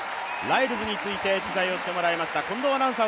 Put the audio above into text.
ライルズについて取材をしてもらいました、近藤アナウンサー